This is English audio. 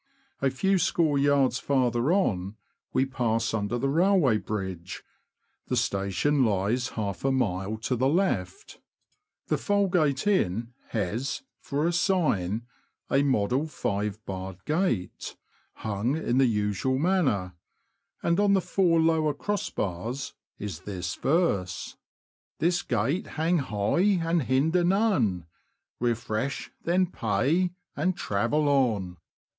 A few score yards farther on we pass under the railway bridge ; the station lies half a mile to the left. The Falgate Inn THURNE MOUTH TO HICKLING, ETC. 195 has, for a sign, a model five barred gate, hung In the usual manner; and on the four lower crossbars is this verse :— This gate hang high, And hinder none ; Refresh, then pay, And travel on.